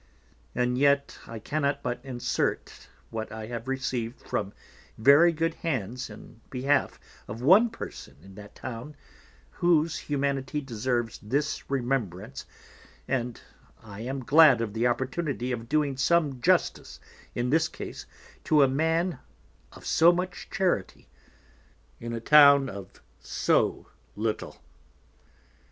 And yet I cannot but incert what I have receiv'd from very good Hands in behalf of one Person in that Town, whose Humanity deserves this remembrance, and I am glad of the Opportunity of doing some Justice in this Case to a Man of so much Charity in a Town of so little.